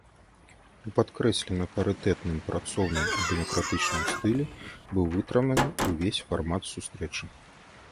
У падкрэслена парытэтным, працоўным і дэмакратычным стылі быў вытрыманы ўвесь фармат сустрэчы.